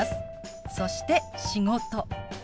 そして「仕事」。